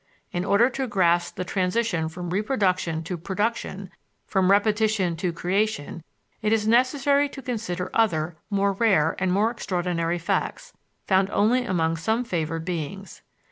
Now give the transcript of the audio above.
In order to grasp the transition from reproduction to production, from repetition to creation, it is necessary to consider other, more rare, and more extraordinary facts, found only among some favored beings.